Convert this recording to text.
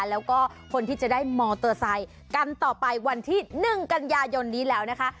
แล้วก็คนที่จะได้มอเตอร์ไซค์กันต่อไปวันที่๑กันยายนนี้แล้วนะคะ